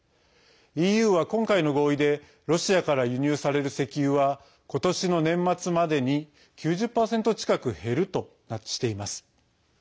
ＥＵは今回の合意でロシアから輸入される石油はことしの年末までに９０％近く減るとしています。